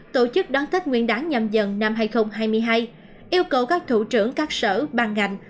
tổ chức đón tết nguyên đáng nhầm dần năm hai nghìn hai mươi hai yêu cầu các thủ trưởng các sở ban ngành